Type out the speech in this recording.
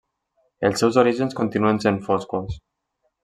Els seus orígens continuen sent foscos.